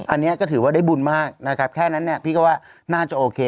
อันนี้ก็ถือว่าได้บุญมากนะครับแค่นั้นเนี่ยพี่ก็ว่าน่าจะโอเค